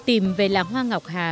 tìm về làng hoa ngọc hà